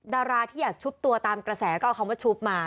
ดาราที่อยากชุบตัวตามกระแสก็เอาคำว่าชุบมา